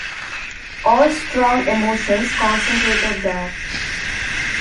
All strong emotions concentrated there.